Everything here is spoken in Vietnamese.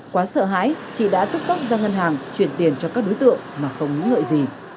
quá sợ hãi chị đã tức tốc ra ngân hàng chuyển tiền cho các đối tượng mà không nghĩ lợi gì